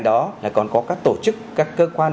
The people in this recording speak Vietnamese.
đó là còn có các tổ chức các cơ quan